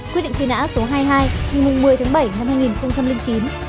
quyết định truy nã số hai mươi hai hình hùng một mươi tháng bảy năm hai nghìn chín